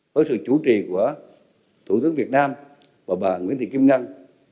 với sự chủ trì của thủ tướng việt nam và bà nguyễn thị kim ngân